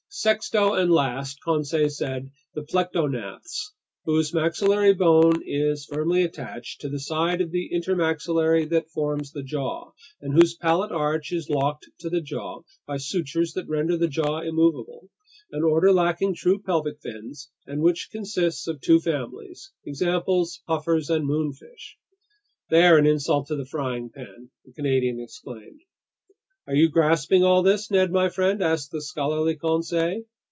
"Sexto and last," Conseil said, "the plectognaths, whose maxillary bone is firmly attached to the side of the intermaxillary that forms the jaw, and whose palate arch is locked to the skull by sutures that render the jaw immovable, an order lacking true pelvic fins and which consists of two families. Examples: puffers and moonfish." "They're an insult to a frying pan!" the Canadian exclaimed. "Are you grasping all this, Ned my friend?" asked the scholarly Conseil.